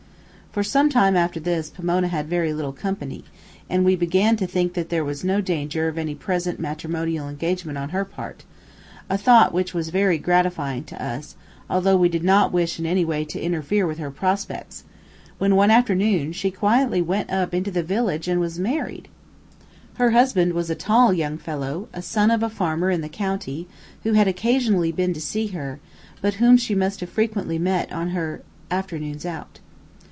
For some time after this Pomona had very little company, and we began to think that there was no danger of any present matrimonial engagement on her part, a thought which was very gratifying to us, although we did not wish in any way to interfere with her prospects, when, one afternoon, she quietly went up into the village and was married. Her husband was a tall young fellow, a son of a farmer in the county, who had occasionally been to see her, but whom she must have frequently met on her "afternoons out."